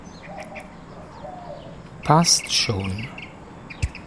Passt schon!